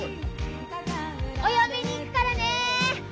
お嫁に行くからね！